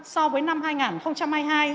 so với năm hai nghìn hai mươi hai